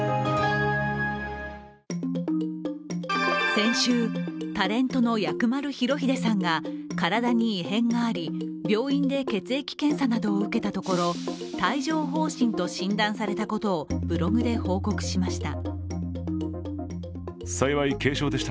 先週、タレントの薬丸裕英さんが体に異変があり病院で血液検査などを受けたところ帯状疱疹と診断されたことをブログで報告しました。